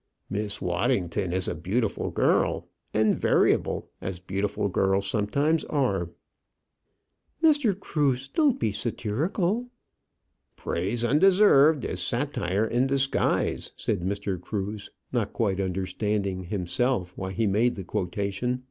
"Miss Waddington is a beautiful girl; and variable as beautiful girls sometimes are." "Mr. Cruse, don't be satirical." "'Praise undeserved is satire in disguise,'" said Mr. Cruse, not quite understanding, himself, why he made the quotation.